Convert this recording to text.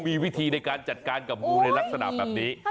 มีวิธีได้การจัดการกับงูในนักสนามแบบนี้